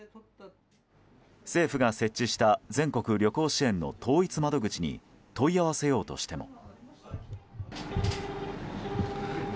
政府が設置した全国旅行支援の統一窓口に問い合わせようとしても。